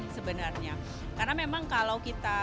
sebenarnya karena memang kalau kita